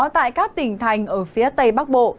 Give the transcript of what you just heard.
tại các tỉnh thành ở phía tây bắc bộ